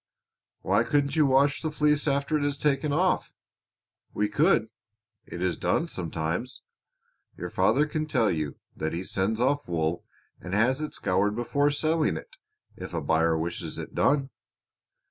"Why couldn't you wash the fleece after it is taken off?" "We could. It is done sometimes. Your father can tell you that he sends off wool and has it scoured before selling it if a buyer wishes it done."